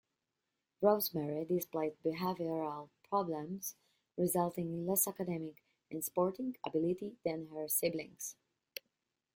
Rosemary displayed behavioral problems, resulting in less academic and sporting ability than her siblings.